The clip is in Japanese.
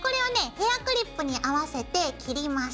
ヘアクリップに合わせて切ります。